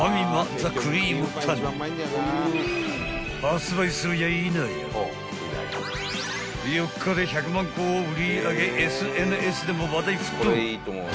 ［発売するやいなや４日で１００万個を売り上げＳＮＳでも話題沸騰］